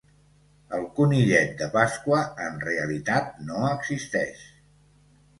El Conillet de Pasqua en realitat no existeix.